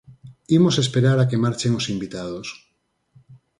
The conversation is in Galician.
Imos esperar a que marchen os invitados.